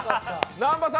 南波さん